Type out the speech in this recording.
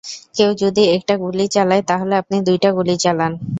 কেউ যদি একটা গুলি চালায় তাহলে আপনি দুইটা গুলি চালান।